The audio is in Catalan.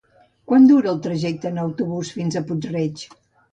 Quant dura el trajecte en autobús fins a Puig-reig?